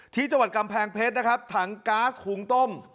ที่จังหวัดกำแพงเพชรนะครับถังก๊าซหุงต้ม